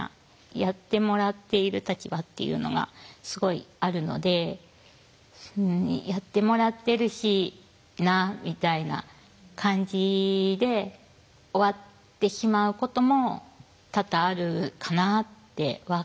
やってもらっている立場っていうのがすごいあるのでやってもらってるしなみたいな感じで終わってしまうことも多々あるかなっては考えますね。